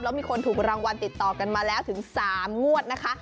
แล้วมีคนถูกรางวัลติดต่อกันมาแล้วถึง๓งวดนะคะ